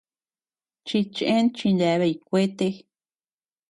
Chichëen chineabay kuete.